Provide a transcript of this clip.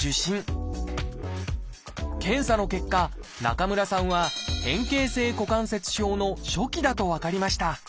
検査の結果中村さんは「変形性股関節症」の初期だと分かりました。